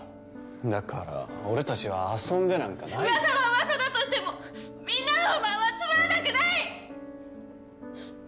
だから俺たちは遊んでなんかうわさはうわさだとしてもみんなの不満はつまんなくない！